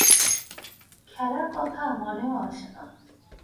খেলার কথা মনেও আসে না।